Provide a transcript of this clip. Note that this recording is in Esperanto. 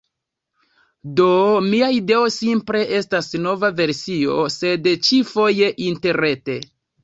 Do mia ideo simple estas nova versio, sed ĉi-foje interrete.